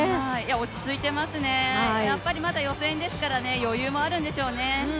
落ち着いていますね、やっぱりまだ予選ですから余裕もあるんでしょうね。